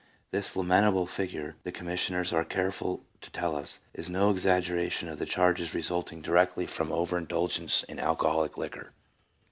This lamentable figure, the commissioners are careful to tell us, is no exaggeration of the ' charges resulting directly from over indulgence in alcoholic liquor.'"